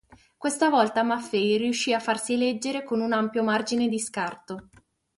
Questa volta Maffei riuscì a farsi eleggere con un ampio margine di scarto.